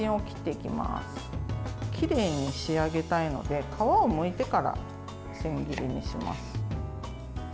きれいに仕上げたいので皮をむいてから千切りにします。